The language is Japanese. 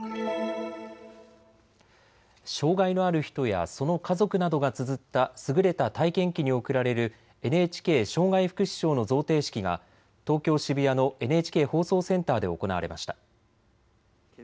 障害のある人やその家族などがつづった優れた体験記に贈られるＮＨＫ障害福祉賞の贈呈式が東京渋谷のＮＨＫ放送センターで行われました。